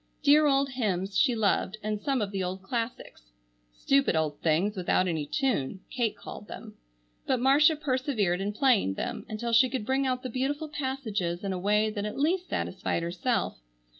Dear old hymns, she loved, and some of the old classics. "Stupid old things without any tune," Kate called them. But Marcia persevered in playing them until she could bring out the beautiful passages in a way that at least satisfied herself.